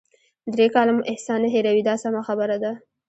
درې کاله مو احسان نه هیروي دا سمه خبره ده.